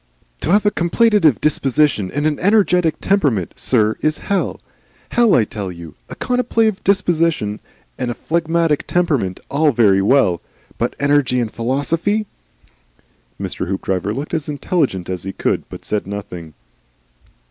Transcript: "To have a contemplative disposition and an energetic temperament, sir, is hell. Hell, I tell you. A contemplative disposition and a phlegmatic temperament, all very well. But energy and philosophy !" Mr. Hoopdriver looked as intelligent as he could, but said nothing.